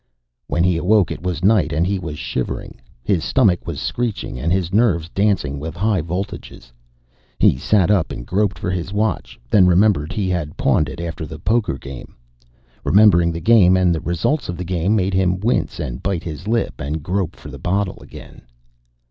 When he awoke, it was night, and he was shivering. His stomach was screeching, and his nerves dancing with high voltages. He sat up and groped for his watch, then remembered he had pawned it after the poker game. Remembering the game and the results of the game made him wince and bite his lip and grope for the bottle again.